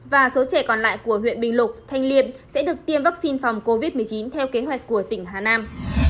và số trẻ còn lại của huyện bình lục thanh liệt sẽ được tiêm vaccine phòng covid một mươi chín theo kế hoạch của tỉnh hà nam